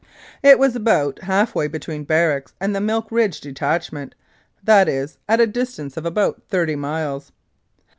It was about half way between barracks and the Milk Ridge detachment, that is, at a distance of about thirty miles.